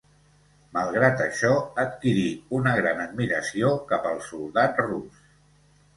Malgrat això, adquirí una gran admiració cap al soldat rus.